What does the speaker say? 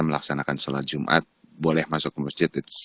melaksanakan sholat jumat boleh masuk ke masjid it's beyond great for us